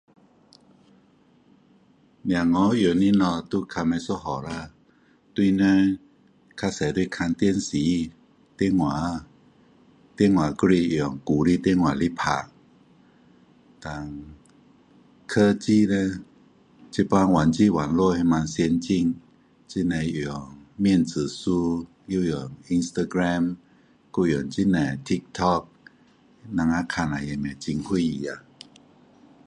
小孩用的东西比较不一样啦大人比较多都是看电视电话电话还是用旧的电话来打然后科技的现在的网集网络这么先进很多用面子书又用 instagram 还用很多 Tik Tok 我们看下也不很明白呀